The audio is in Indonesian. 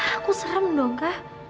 aku serem dong kak